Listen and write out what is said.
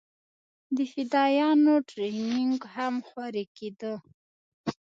د فدايانو ټرېننگ هم هورې کېده.